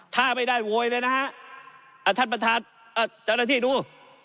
ถ้าไม่ได้โวยเลยนะฮะท่านประธานเจ้าหน้าที่ดู